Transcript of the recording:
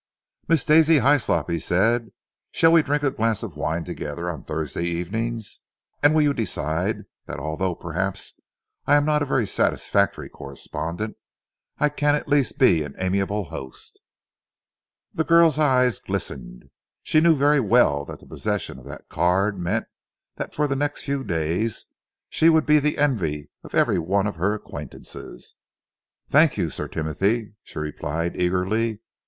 "Miss Daisy Hyslop," he said, "shall we drink a glass of wine together on Thursday evening, and will you decide that although, perhaps, I am not a very satisfactory correspondent, I can at least be an amiable host?" The girl's eyes glistened. She knew very well that the possession of that card meant that for the next few days she would be the envy of every one of her acquaintances. "Thank you, Sir Timothy," she replied eagerly.